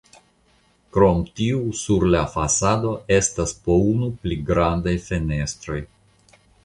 Krom tiu sur la fasado estas po unu pli grandaj fenestroj.